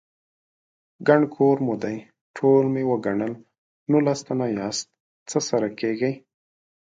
_ګڼ کور مو دی، ټول مې وګڼل، نولس تنه ياست، څه سره کېږئ؟